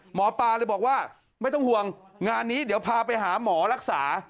หมอปลาเลยบอกว่าไม่ต้องห่วงงานนี้เดี๋ยวพาไปหาหมอรักษา